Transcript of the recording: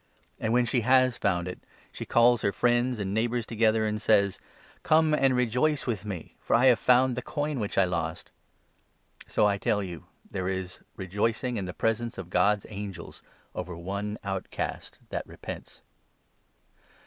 And, when she has found it, she calls her friends and neigh 9 bours together, and says ' Come and rejoice with me, for I have found the coin which I lost.' So, I tell you, there is 10 rejorcing in the presence of God's angels over one outcast that repents."